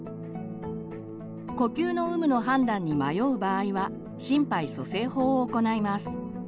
呼吸の有無の判断に迷う場合は心肺蘇生法を行います。